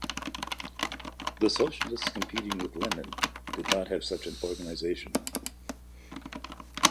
The socialists competing with Lenin did not have such an organization.